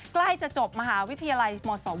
ใกล้จะจบมหาวิทยาลัยมศวแล้วค่ะ